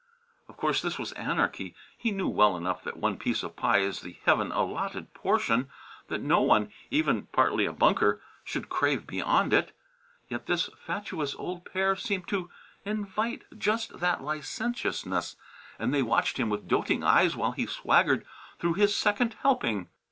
Of course this was anarchy. He knew well enough that one piece of pie is the heaven allotted portion; that no one, even partly a Bunker, should crave beyond it; yet this fatuous old pair seemed to invite just that licentiousness, and they watched him with doting eyes while he swaggered through his second helping.